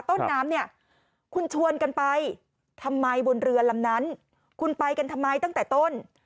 ต้นน้ำเนี่ยคุณชวนกันไปทำไมบนเรือลำนั้นคุณไปกันทำไมตั้งแต่ต้น